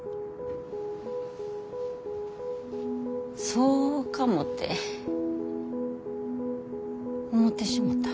そうかもて思てしもた。